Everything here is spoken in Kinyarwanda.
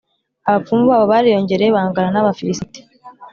abapfumu babo bariyongereye, bangana n’ab’Abafilisiti,